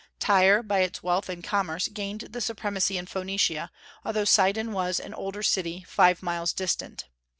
Tyre, by its wealth and commerce, gained the supremacy in Phoenicia, although Sidon was an older city, five miles distant.